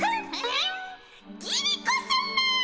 ギリ子さま！